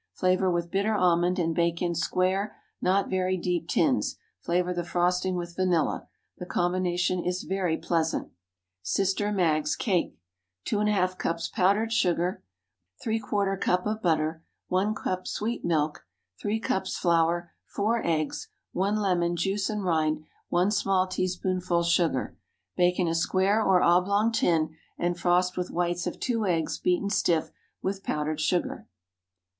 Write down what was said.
Flavor with bitter almond, and bake in square, not very deep tins. Flavor the frosting with vanilla. The combination is very pleasant. SISTER MAG'S CAKE. ✠ 2½ cups powdered sugar. ¾ cup of butter. 1 cup sweet milk. 3 cups flour. 4 eggs. 1 lemon, juice and rind. 1 small teaspoonful soda. Bake in a square or oblong tin, and frost with whites of two eggs beaten stiff with powdered sugar.